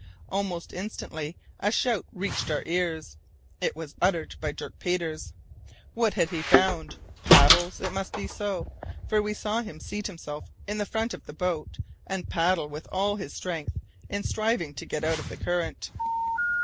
Almost instantly a shout reached our ears. It was uttered by Dirk Peters. What had he found? Paddles! It must be so, for we saw him seat himself in the front of the boat, and paddle with all his strength in striving to get out of the current.